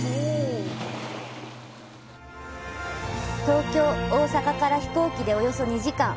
東京、大阪から飛行機でおよそ２時間。